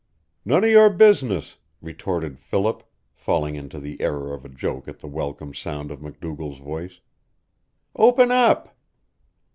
"None of your business!" retorted Philip, falling into the error of a joke at the welcome sound of MacDougall's voice. "Open up!"